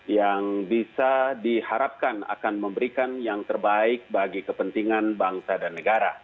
yang bisa diharapkan akan memberikan yang terbaik bagi kepentingan bangsa dan negara